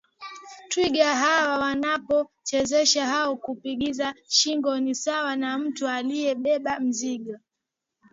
Twiga hawa wanapo chezesha au kupigiza shingo ni sawa na mtu aliye beba mzigo